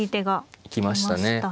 行きましたね。